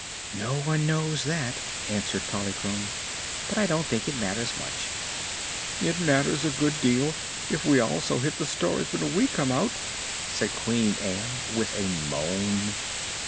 "No one knows that," answered Polychrome. "But I don't think it matters much." "It matters a good deal, if we also hit the stars when we come out," said Queen Ann, with a moan.